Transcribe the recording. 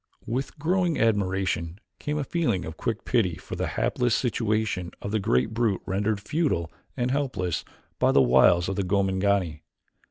With growing admiration came a feeling of quick pity for the hapless situation of the great brute rendered futile and helpless by the wiles of the Gomangani.